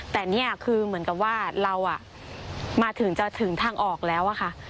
แต่นี่คือเหมือนกับว่าเรามาถึงจะถึงทางออกแล้วอะค่ะ